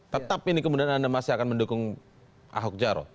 tetap ini kemudian anda masih akan mendukung ahok jaro